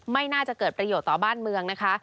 ไม่น่าจะเกิดประโยชน์ต่อบ้านเมืองนะคะ